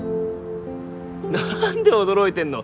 何で驚いてんの？